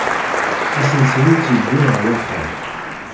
Asensi-nni tt-yewwin ɣer uxxam.